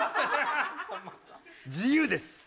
自由です。